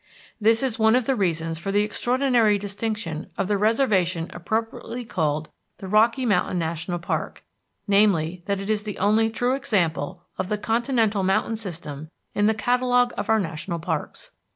This is one of the reasons for the extraordinary distinction of the reservation appropriately called the Rocky Mountain National Park, namely that it is the only true example of the continental mountain system in the catalogue of our national parks.